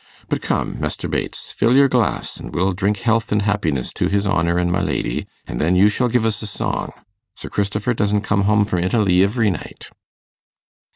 But come, Mester Bates, fill your glass, an' we'll drink health an' happiness to his honour an' my lady, and then you shall give us a song. Sir Cristifer doesn't come hum from Italy ivery night.